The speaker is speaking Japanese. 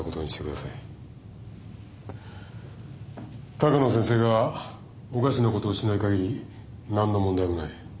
鷹野先生がおかしなことをしない限り何の問題もない。